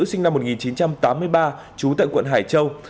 sinh năm một nghìn chín trăm tám mươi ba trú tại quận hải châu